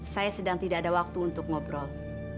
saya sedang tidak ada waktu untuk ngobrol